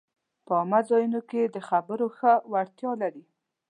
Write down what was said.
په عامه ځایونو کې د خبرو ښه وړتیا لري